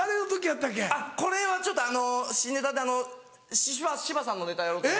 あっこれはちょっとあの新ネタで芝さんのネタやろうと。